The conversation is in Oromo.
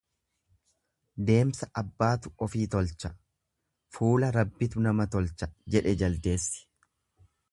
Deemsa abbaatu ofii tolcha, fuula Rabbitu namaa tolcha jedhe jaldeessi.